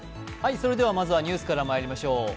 まずはニュースからまいりましょう。